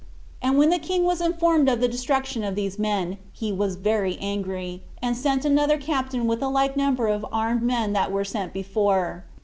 And when the king was informed of the destruction of these men, he was very angry, and sent another captain with the like number of armed men that were sent before.